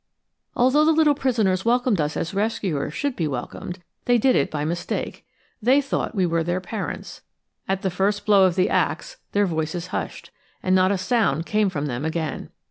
Although the little prisoners welcomed us as rescuers should be welcomed, they did it by mistake. They thought we were their parents. At the first blow of the axe their voices hushed, and not a sound came from them again.